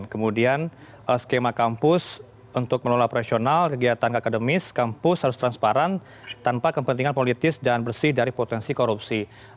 kemudian skema kampus untuk mengelola operasional kegiatan akademis kampus harus transparan tanpa kepentingan politis dan bersih dari potensi korupsi